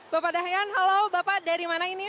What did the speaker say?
bapak dahyan halo bapak dari mana ini